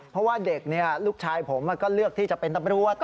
เพราะว่าเด็กลูกชายผมก็เลือกที่จะเป็นตำรวจ